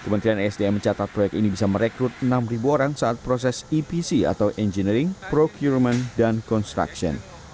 pertama jambaran tiung biru ini bisa merekrut enam ribu orang saat proses epc atau engineering procurement dan construction